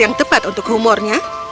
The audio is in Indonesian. yang tepat untuk humornya